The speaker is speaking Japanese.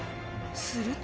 すると。